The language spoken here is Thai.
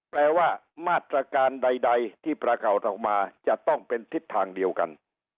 แปลว่ามาตรการใดที่ประกาศออกมาจะต้องเป็นทิศทางเดียวกัน